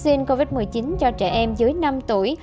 xin covid một mươi chín cho trẻ em dưới năm tuổi